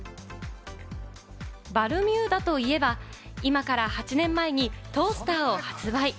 バルミューダといえば、今から８年前にトースターを発売。